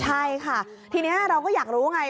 ใช่ค่ะทีนี้เราก็อยากรู้ไง